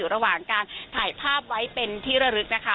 ระหว่างการถ่ายภาพไว้เป็นที่ระลึกนะคะ